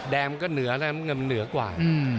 แดงมันก็เหนือแต่น้ำเงินมันเหนือกว่า